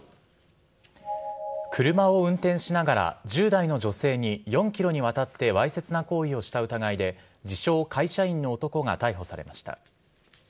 車を運転しながら１０代の女性に４ｋｍにわたってわいせつな行為をした疑いで自称会社員の男が逮捕されました。